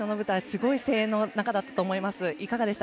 すごい声援の中だったと思います。